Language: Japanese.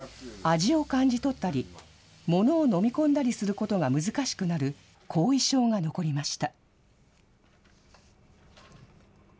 しかし、味を感じ取ったり、物を飲み込んだりすることが難しくなる後遺症が残りました。